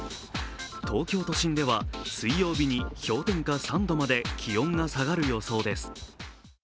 東京都心では、水曜日に氷点下３度まで気温が下がる予想です。